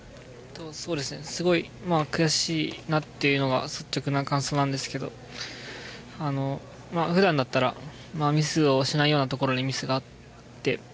そうですねすごい悔しいなっていうのが率直な感想なんですけど普段だったらミスをしないようなところでミスがあって。